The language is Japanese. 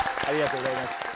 ありがとうございます。